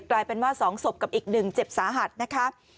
กลายเป็นว่า๒ศพกับอีก๑เจ็บสาหัสนะคะ